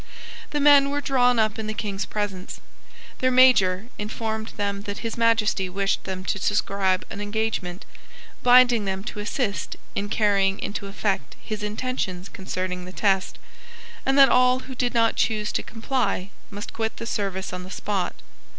The men were drawn up in the King's presence. Their major informed them that His Majesty wished them to subscribe an engagement, binding them to assist in carrying into effect his intentions concerning the test, and that all who did not choose to comply must quit the service on the spot.